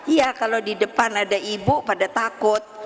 iya kalau di depan ada ibu pada takut